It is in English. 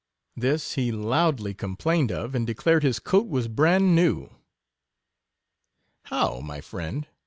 This he loudly com plained of, and declared his coat was bran new. How, my friend?